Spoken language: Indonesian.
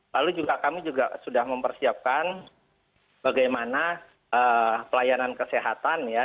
lalu juga kami juga sudah mempersiapkan bagaimana pelayanan kesehatan ya